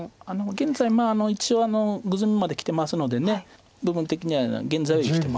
現在一応グズミまできてますので部分的には現在は生きてます。